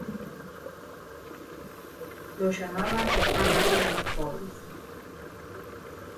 Lo llamaban el párroco de los pobres.